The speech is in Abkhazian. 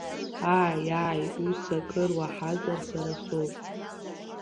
Ааи, ааи, ус акыр уаҳазар сара соуп.